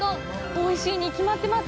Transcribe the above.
おいしいに決まってます！